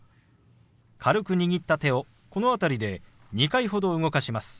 軽く握った手をこの辺りで２回ほど動かします。